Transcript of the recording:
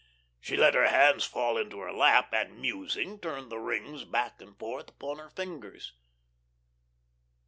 She let her hands fall into her lap, and, musing, turned the rings back and forth upon her fingers.